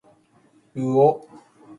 うお